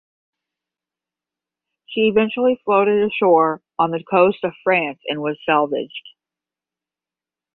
She eventually floated ashore on the coast of France and was salvaged.